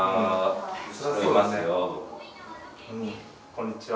こんにちは。